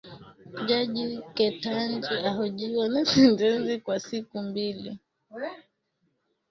Jaji Ketanji ahojiwa na seneti kwa siku ya pili